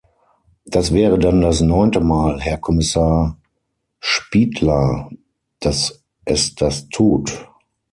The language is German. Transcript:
Das wäre dann das neunte Mal, Herr Kommissar Špidla, dass es das tut.